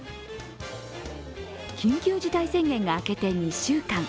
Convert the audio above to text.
緊急事態宣言が明けて２週間。